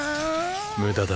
無駄だ。